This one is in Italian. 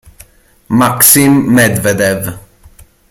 Maksim Medvedev